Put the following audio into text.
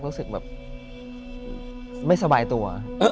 รู้สึกแบบไม่สบายตัว